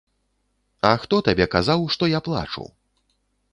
А хто табе казаў, што я плачу?